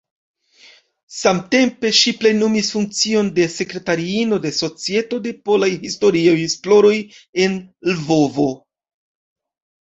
Samtempe ŝi plenumis funkcion de sekretariino de Societo de Polaj Historiaj Esploroj en Lvovo.